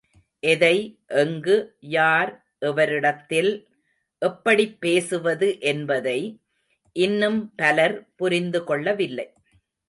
எதை, எங்கு, யார், எவரிடத்தில்— எப்படிப் பேசுவது என்பதை இன்னும் பலர் புரிந்து கொள்ளவில்லை.